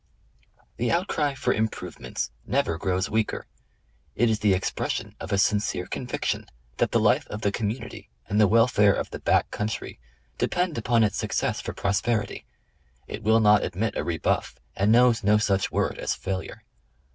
The outcry for "improvements" never grows weaker; it is the expression of a sincere conviction that the life of the community and the welfare of the " back country " depend upon its success for prosperity; it will not admit a rebuff and knows no such word as failure.